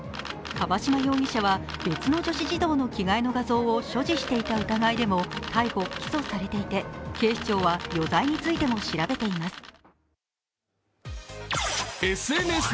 河嶌容疑者は別の女子児童の着替えの画像を所持していた疑いでも逮捕・起訴されていて警視庁は余罪についても調べています。